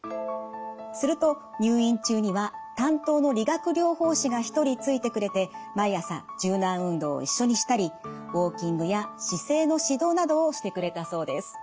すると入院中には担当の理学療法士が１人ついてくれて毎朝柔軟運動を一緒にしたりウォーキングや姿勢の指導などをしてくれたそうです。